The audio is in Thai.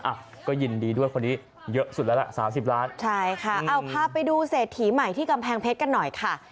อ่ะก็ยินดีด้วยคนนี้เยอะสุดแล้วล่ะสามสิบล้านใช่ค่ะเอาพาไปดูเศรษฐีใหม่ที่กำแพงเพชรกันหน่อยค่ะ